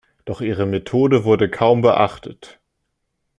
Doch ihre Methode wurde kaum beachtet.